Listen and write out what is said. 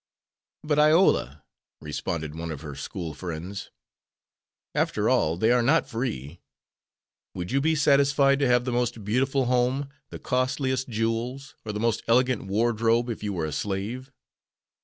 "But, Iola," responded one of her school friends, "after all, they are not free. Would you be satisfied to have the most beautiful home, the costliest jewels, or the most elegant wardrobe if you were a slave?"